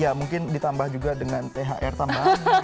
ya mungkin ditambah juga dengan thr tambahan